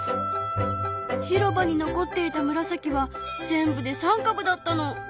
広場に残っていたムラサキは全部で３かぶだったの。